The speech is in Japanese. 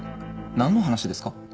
なんの話ですか？